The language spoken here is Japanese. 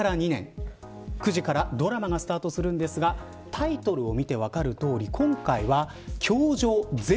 タイトルを見て分かるとおり今回は教場０。